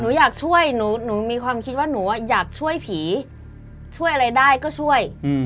หนูอยากช่วยหนูมีความคิดว่าหนูอยากช่วยผีช่วยอะไรได้ก็ช่วย